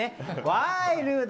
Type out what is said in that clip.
ワイルド。